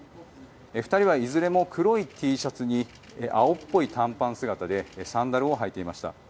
２人はいずれも黒いＴシャツに青っぽい短パン姿でサンダルを履いていました。